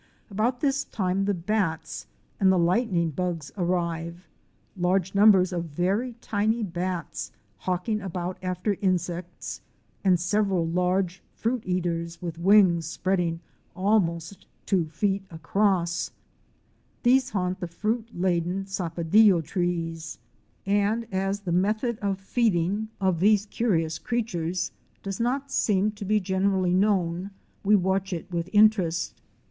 About this time the bats and the lightning bugs arrive, large numbers of very tiny bats hawking about after insects, and several large fruit eaters with wings spreading almost two feet across. These haunt the fruit laden sapadillo trees, and as the method of feeding of 122 OUR SEARCH FOR A WILDERNESS. these curious creatures does not seem to be generally known we watch it with interest.